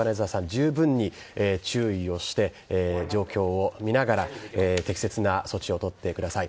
じゅうぶんに注意をして状況を見ながら適切な措置を取ってください。